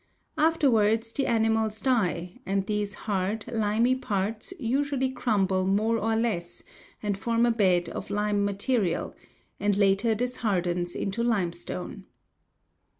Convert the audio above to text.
Afterwards the animals die, and these hard, limy parts usually crumble more or less and form a bed of lime material, and later this hardens into limestone.